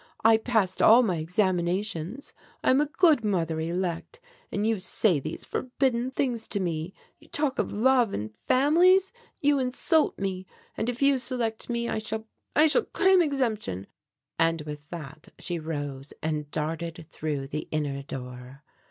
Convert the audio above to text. I passed all my examinations. I am a good mother elect, and you say these forbidden things to me. You talk of love and families. You insult me. And if you select me, I shall I shall claim exemption, " and with that she rose and darted through the inner door.